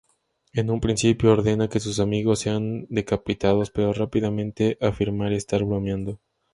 En un principio ordena que sus amigos sean decapitados, pero rápidamente afirma estar bromeando.